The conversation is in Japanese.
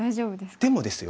でもですよ